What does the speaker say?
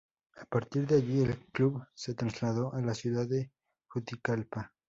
A partir de allí, el club se trasladó a la ciudad de Juticalpa.